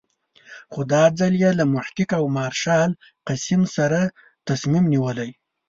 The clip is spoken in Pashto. خو دا ځل یې له محقق او مارشال قسیم سره تصمیم نیولی.